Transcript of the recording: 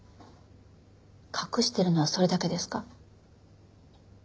隠してるのはそれだけですか？